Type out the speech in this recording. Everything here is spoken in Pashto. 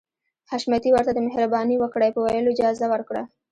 حشمتي ورته د مهرباني وکړئ په ويلو اجازه ورکړه.